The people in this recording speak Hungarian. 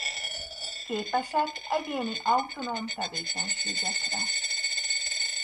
Képesek egyéni autonóm tevékenységekre.